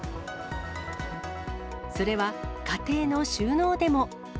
それは家庭の収納でも。